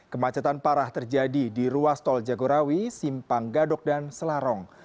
kemacetan parah terjadi di ruas tol jagorawi simpang gadok dan selarong